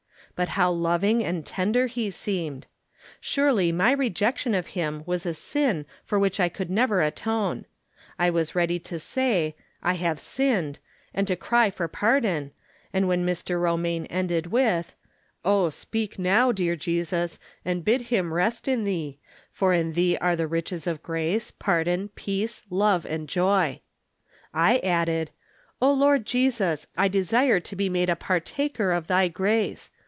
But how loving and ten der he seemed ! Surely my rejection of him was a sin for which I could never atone. I was ready to say, "I have sinned," and to cry for pardon, and when Mr. Romaine ended with, " Oh speak, no^7, clear Jesus, and bid liim rest in thee, for in thee are the riches of grace, pardon, peace, love and joy," I added :" O Lord Jesus, I desire to be made a partaker of thy grace.